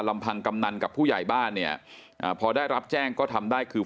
ลำพังกำนันกับผู้ใหญ่บ้านเนี่ยอ่าพอได้รับแจ้งก็ทำได้คือ